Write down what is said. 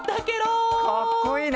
かっこいいね。